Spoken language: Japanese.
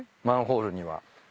マンホールには。